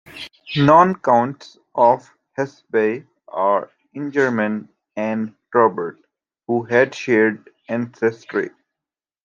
Known counts of Hesbaye are Ingerman and Robert, who had shared ancestry.